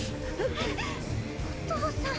っ⁉お父さん！